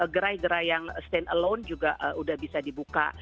gerai gerai yang stand alone juga sudah bisa dibuka